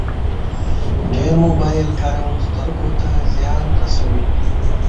ډېر موبایل کارول سترګو ته زیان رسوي.